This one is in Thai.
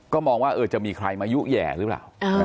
ก็มองว่าจะมีใครมายุแห่หรือเปล่า